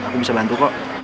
aku bisa bantu kok